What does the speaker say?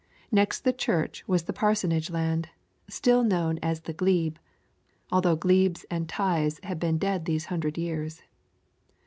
Next the church was the parsonage land, still known as the Glebe, although glebes and tithes had been dead these hundred years.